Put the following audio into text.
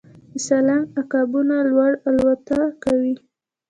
د سالنګ عقابونه لوړ الوت کوي